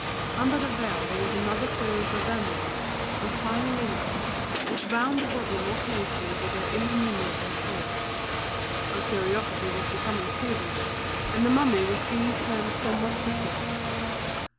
Under the veil there was another series of bandages, of finer linen, which bound the body more closely with their innumerable folds. Our curiosity was becoming feverish, and the mummy was being turned somewhat quickly.